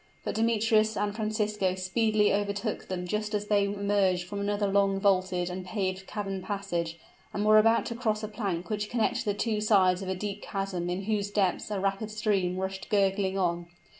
But Demetrius and Francisco speedily overtook them just as they emerged from another long vaulted and paved cavern passage, and were about to cross a plank which connected the two sides of a deep chasm in whose depths a rapid stream rushed gurgling on.